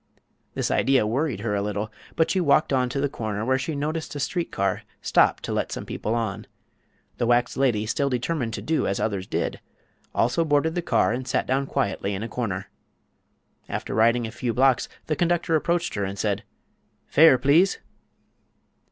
This idea worried her a little, but she walked on to the corner, where she noticed a street car stop to let some people on. The wax lady, still determined to do as others did, also boarded the car and sat down quietly in a corner. After riding a few blocks the conductor approached her and said: "Fare, please!"